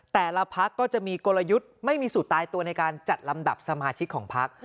แต่ละพักก็จะมีกลยุทธ์ไม่มีสูตรตายตัวในการจัดลำดับสมาชิกของพัก